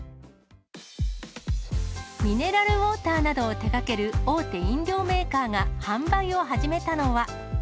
ミネラルウォーターなどを手がける大手飲料メーカーが販売を始めたのは。